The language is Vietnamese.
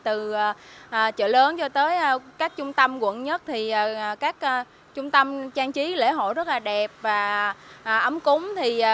từ chợ lớn cho tới các trung tâm quận một các trung tâm trang trí lễ hội rất là đẹp và ấm cúng